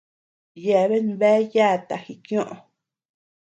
Yeabean bea yata jikioʼö.